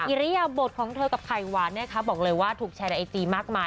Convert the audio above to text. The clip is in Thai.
อิริยาบทของเธอกับไข่หวานเนี่ยค่ะบอกเลยว่าถูกแชนไอจีมากมาย